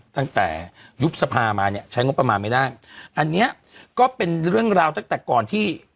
ตั้งแต่ยุบสภามาเนี่ยใช้งบประมาณไม่ได้อันเนี้ยก็เป็นเรื่องราวตั้งแต่ก่อนที่